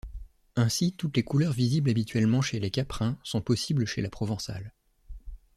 Ainsi, toutes les couleurs visibles habituellement chez les caprins sont possibles chez la provençale.